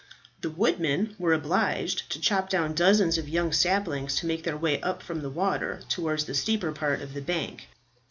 The woodmen were obliged to chop down dozens of young saplings to make their way up from the water towards the steeper part of the bank.